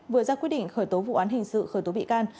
vừa ra quyết định khởi tố vụ án hình sự khởi tố bị can